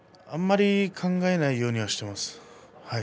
あまり考えないようにはしています。